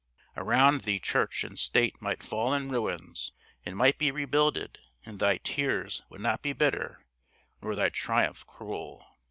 Around thee Church and State might fall in ruins, and might be rebuilded, and thy tears would not be bitter, nor thy triumph cruel.